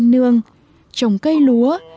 đã có lúa